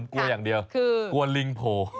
ก้างเก้งลิง